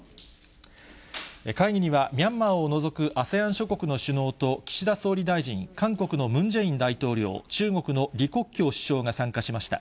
会議には、ミャンマーを除くＡＳＥＡＮ諸国の首脳と岸田総理大臣、韓国のムン・ジェイン大統領、中国の李克強首相が参加しました。